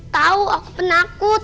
tau aku penakut